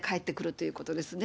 ということですね。